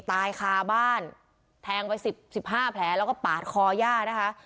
ตายคาบ้านแทงไปสิบสิบห้าแผลแล้วก็ปาดคอย่านะคะ